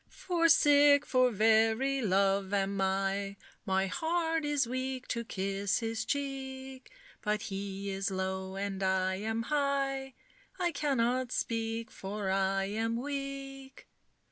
For sick for very love am I, My heart is weak to kiss his cheek; But he is low, and I am high, I cannot speak, for I am weak."